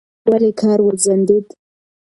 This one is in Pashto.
ولې کار وځنډېد؟